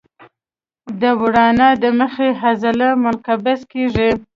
د ورانه د مخې عضله منقبض کېږي.